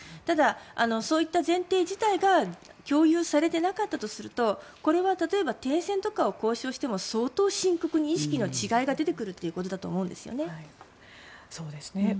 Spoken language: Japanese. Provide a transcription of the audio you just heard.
ただ、そういった前提自体が共有されていなかったとするとこれは例えば停戦とかを交渉しても相当深刻に意識の違いが出てくるということだと思うんですよね。